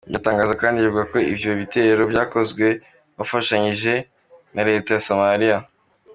Iryo tangazo kandi rivuga ko "ivyo bitero vyakozwe bafashanije na reta ya Somalia.